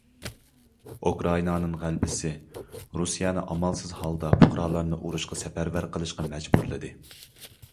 ئۇكرائىنانىڭ غەلىبىسى رۇسىيەنى ئامالسىز ھالدا پۇقرالارنى ئۇرۇشقا سەپەرۋەر قىلىشقا مەجبۇرلىدى.